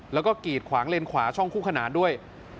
แล้วก็กีดขวางเลนขวาช่องคู่ขนานด้วย